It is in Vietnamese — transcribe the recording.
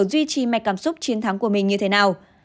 duy trì mạch cảm xúc chiến thắng của mình như thế nào